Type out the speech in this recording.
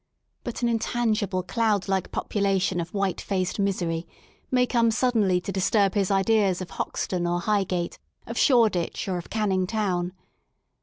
But an intangible cloud like pop ulation of white faced misery, may come suddenly to disturb his ideas of Hoxton or Highgate, of Shored! tch or of Canning Town.